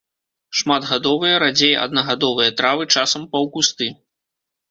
Шматгадовыя, радзей аднагадовыя травы, часам паўкусты.